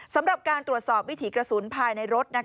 สำหรับการตรวจสอบวิถีกระสุนภายในรถ